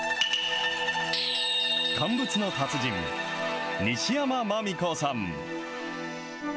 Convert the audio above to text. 乾物の達人、西山麻実子さん。